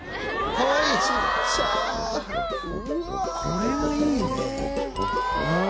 これはいいね。